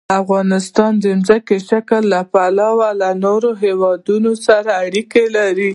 افغانستان د ځمکنی شکل له پلوه له نورو هېوادونو سره اړیکې لري.